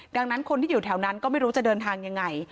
ดังนั้นคนที่อยู่แถวนั้นก็ไม่รู้จะเดินทางยังไง